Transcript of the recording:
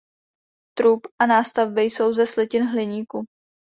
Trup a nástavby jsou ze slitin hliníku.